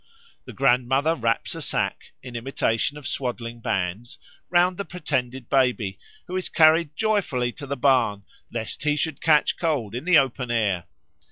The grandmother wraps a sack, in imitation of swaddling bands, round the pretended baby, who is carried joyfully to the barn, lest he should catch cold in the open air.